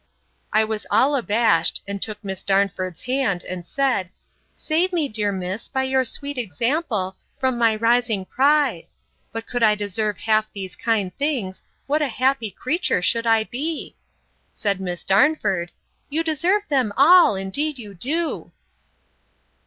I was all abashed; and took Miss Darnford's hand, and said, Save me, dear miss, by your sweet example, from my rising pride. But could I deserve half these kind things, what a happy creature should I be! said Miss Darnford, You deserve them all, indeed you do.